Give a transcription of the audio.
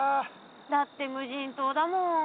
だって無人島だもん。